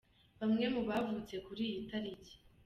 Bamwe mu bavutse kuri iyi tariki.